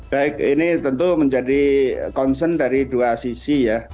baik ini tentu menjadi concern dari dua sisi ya